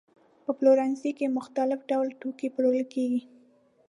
په پلورنځي کې مختلف ډول توکي پلورل کېږي.